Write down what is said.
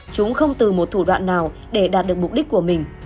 chúng không từ một thủ đoạn nào để đạt được mục đích của mình